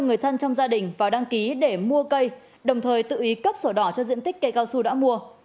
người thân trong gia đình vào đăng ký để mua cây đồng thời tự ý cấp sổ đỏ cho diện tích cây cao su đã mua